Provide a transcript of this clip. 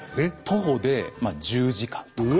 徒歩で１０時間とか。